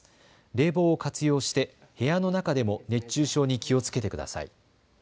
冷房を活用して部屋の中でも熱中症に気をつけてください。